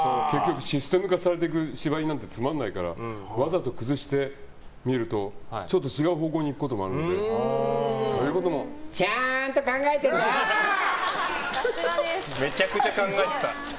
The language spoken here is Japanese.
システム化されていく芝居なんてつまらないからわざと崩して見えると違う方向に行くこともあるのでそういうこともめちゃくちゃ考えてた。